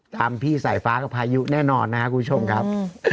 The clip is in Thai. พี่สายฟ้ากับพายุแน่นอนนะครับคุณผู้ชมครับ